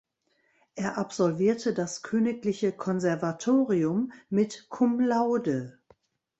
Er absolvierte das Königliche Konservatorium mit Cum laude.